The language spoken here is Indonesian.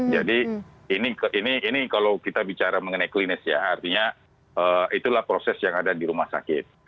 jadi ini kalau kita bicara mengenai klinis ya artinya itulah proses yang ada di rumah sakit